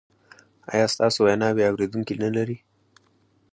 ایا ستاسو ویناوې اوریدونکي نلري؟